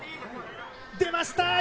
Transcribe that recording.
出ました！